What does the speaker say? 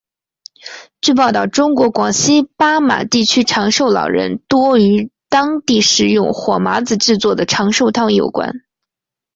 据报道中国广西巴马地区长寿老人多与当地食用火麻子制作的长寿汤有关。